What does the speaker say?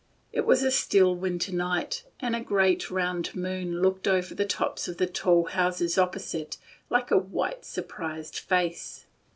It was a still winter night, and a great round moon looked over the tops of the tall houses opposite like a white, surprised face.